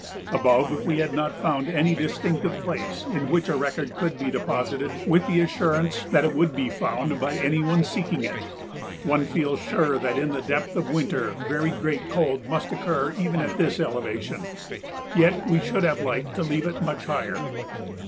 Above, we had not found any distinctive place in which a record could be deposited with the assurance that it would be found by any one seeking it. One feels sure that in the depth of winter very great cold must occur even at this elevation. Yet we should have liked to leave it much higher.